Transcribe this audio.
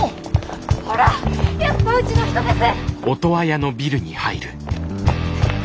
ほらやっぱうちの人です！